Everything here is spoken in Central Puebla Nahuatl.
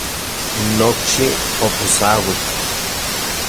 Nokxi oposauik.